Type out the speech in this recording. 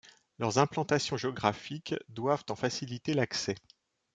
Leurs implantations géographiques doivent en faciliter l’accès.